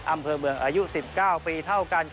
อำเภอเมืองอายุ๑๙ปีเท่ากัน